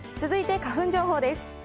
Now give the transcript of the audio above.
続いて花粉情報です。